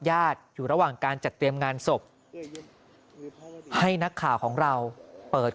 อยู่ระหว่างการจัดเตรียมงานศพให้นักข่าวของเราเปิด